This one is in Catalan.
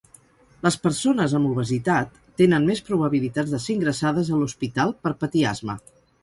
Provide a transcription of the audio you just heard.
Les persones amb obesitat tenen més probabilitats de ser ingressades a l"hospital per patir asma.